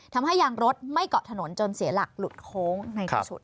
ทำให้ยางรถไม่เกาะถนนจนเสียหลักหลุดโค้งในที่สุด